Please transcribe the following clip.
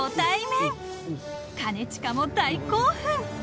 ［兼近も大興奮］